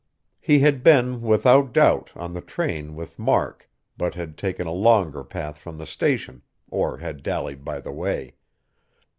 He had been, without doubt, on the train with Mark but had taken a longer path from the station, or had dallied by the way.